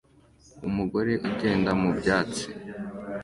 Umugore ugenda mu byatsi